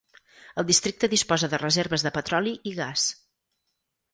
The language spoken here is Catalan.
El districte disposa de reserves de petroli i gas.